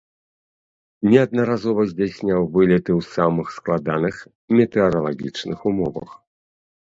Неаднаразова здзяйсняў вылеты ў самых складаных метэаралагічных умовах.